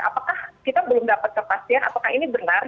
apakah kita belum dapat kepastian apakah ini benar